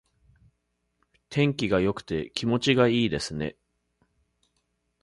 天気が良くて気持ちがいいですね。